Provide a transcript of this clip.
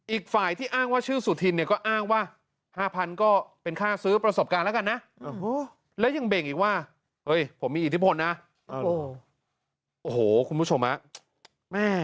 อีกฝ่ายที่อ้างว่าชื่อสุธินก็อ้างว่า